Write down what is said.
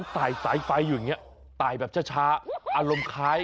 ตายใสไฟอยู่อย่างนี้ตายแบบช้า